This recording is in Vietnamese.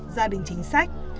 gia đình chính sách